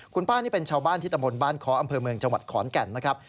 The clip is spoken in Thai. คุณป้านี่เป็นชาวบ้านที่ตำบลบ้านค้ออำเภอเมืองจังหวัดขอนแก่นนะครับ